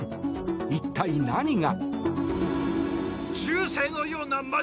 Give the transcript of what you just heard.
一体、何が。